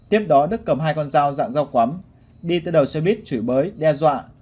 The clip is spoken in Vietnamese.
tiếp đó đức cầm hai con dao dạng dao quắm đi từ đầu xe buýt chửi bới đe dọa